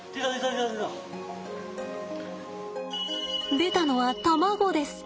出たのは卵です。